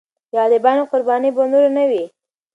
د غریبانو قرباني به نور نه وي.